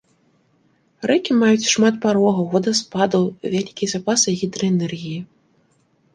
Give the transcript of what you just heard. Рэкі маюць шмат парогаў, вадаспадаў, вялікія запасы гідраэнергіі.